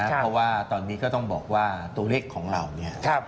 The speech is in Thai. เพราะว่าตอนนี้ก็ต้องบอกว่าตัวเลขของเราเนี่ย